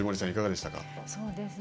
いかがでしたか。